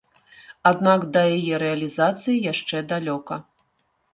Аднак да яе рэалізацыі яшчэ далёка.